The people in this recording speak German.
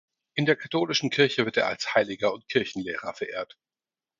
In der katholischen Kirche wird er als Heiliger und Kirchenlehrer verehrt.